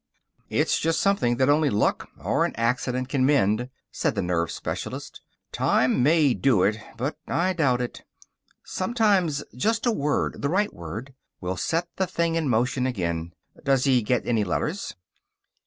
"It's just something that only luck or an accident can mend," said the nerve specialist. "Time may do it but I doubt it. Sometimes just a word the right word will set the thing in motion again. Does he get any letters?"